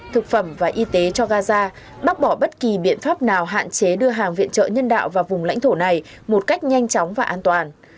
thực phẩm và y tế cho gaza bác bỏ bất kỳ biện pháp nào hạn chế đưa hàng viện trợ nhân đạo vào vùng lãnh thổ này một cách nhanh chóng và an toàn